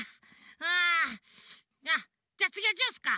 うんじゃつぎはジュースか。